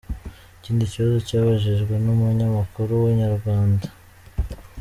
Ikindi kibazo cyabajijwe n'umunyamakuru wa Inyarwanda.